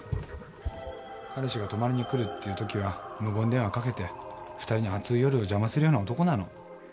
彼氏が泊まりに来るっていうときは無言電話かけて２人の熱い夜を邪魔するような男なの。